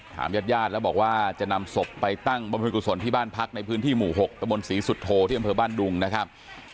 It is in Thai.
ญาติญาติแล้วบอกว่าจะนำศพไปตั้งบรรพิกุศลที่บ้านพักในพื้นที่หมู่๖ตะบนศรีสุโธที่อำเภอบ้านดุงนะครับ